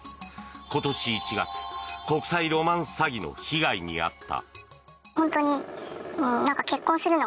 今年１月、国際ロマンス詐欺の被害に遭った。